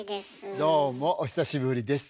どうもお久しぶりです。